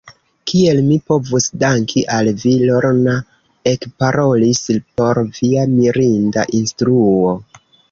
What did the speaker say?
Kiel mi povus danki al vi, Lorna ekparolis, por via mirinda instruo.